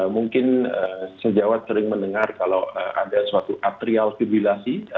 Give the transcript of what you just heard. mungkin sejauh sering mendengar kalau ada suatu atrial fibrilasi